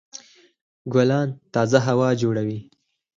ګلان تازه هوا جوړوي.